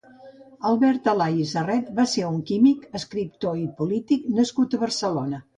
Albert Alay i Serret va ser un químic, escriptor i polític nascut a Barcelona.